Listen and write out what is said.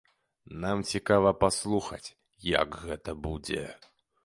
Нам цікава паслухаць, як гэта будзе.